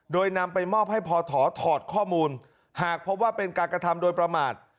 โดยนำไปมอบให้พอถอถอดข้อมูลหากพบว่าเป็นการกระทำโดยประมาท